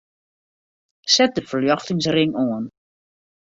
Set de ferljochtingsring oan.